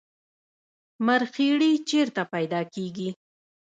مرخیړي چیرته پیدا کیږي؟